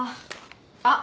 あっ